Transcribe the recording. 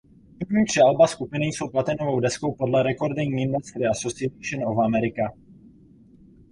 První tři alba skupiny jsou platinovou deskou podle Recording Industry Association of America.